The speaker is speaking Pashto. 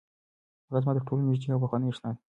هغه زما تر ټولو نږدې او پخوانۍ اشنا ده.